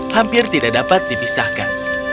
hampir tidak dapat dipisahkan